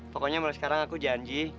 pokoknya mulai sekarang aku janji